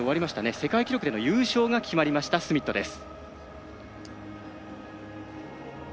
世界記録での優勝が決まったスミットです。